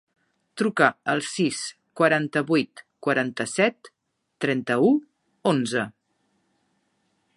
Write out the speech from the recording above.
Truca al sis, quaranta-vuit, quaranta-set, trenta-u, onze.